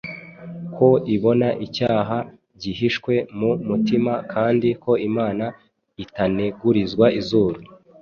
ko ibona icyaha gihishwe mu mutima kandi ko Imana itanegurizwa izuru.